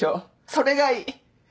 それがいい！